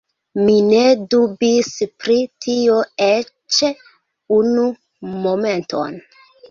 Mi ne dubis pri tio eĉ unu momenton.